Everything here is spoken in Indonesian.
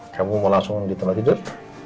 kamu mau langsung di tempat tidur